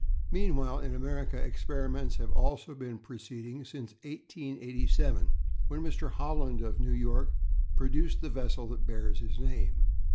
Meanwhile in America experiments have also been proceeding since 1887, when Mr. Holland of New York produced the vessel that bears his name.